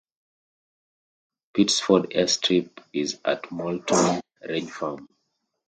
Pitsford Airstrip is at Moulton Grange Farm.